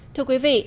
thưa quý vị